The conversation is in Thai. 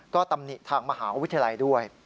ก็ตำหนิทางมหาวิทยาลัยด้วย